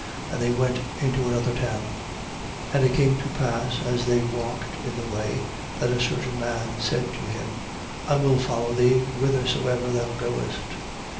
And they went into another town. 9:57. And it came to pass, as they walked in the way, that a certain man said to him: I will follow thee whithersoever thou goest.